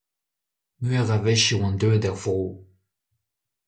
Meur a wech e oant deuet er vro.